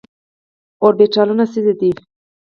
اوربيتالونه څه دي ؟